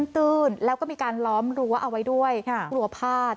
ตื้นแล้วก็มีการล้อมรั้วเอาไว้ด้วยกลัวพลาด